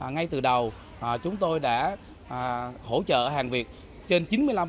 ngay từ đầu chúng tôi đã hỗ trợ hàng việt trên chín mươi năm